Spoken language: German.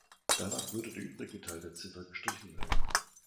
Danach würde der übrige Teil der Ziffer gestrichen werden.